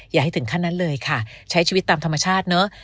อย่าให้ถึงขั้นนั้นเลยค่ะใช้ชีวิตตามธรรมชาติเนอะ